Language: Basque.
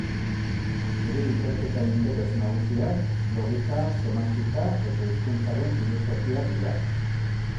Bere ikerketa-interes nagusiak logika, semantika eta hizkuntzaren filosofia dira.